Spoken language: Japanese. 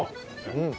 うん。